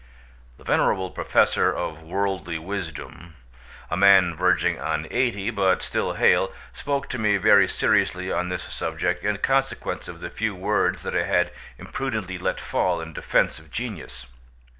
The venerable Professor of Worldly Wisdom, a man verging on eighty but still hale, spoke to me very seriously on this subject in consequence of the few words that I had imprudently let fall in defence of genius.